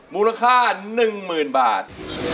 มูลค่า๑๐๐๐บาท